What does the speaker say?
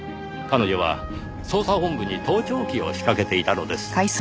彼女は捜査本部に盗聴器を仕掛けていたのです。